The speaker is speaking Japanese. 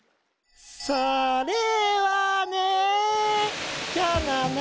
それはね。